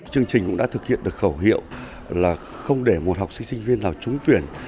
chương trình cũng đã thực hiện được khẩu hiệu là không để một học sinh sinh viên nào trúng tuyển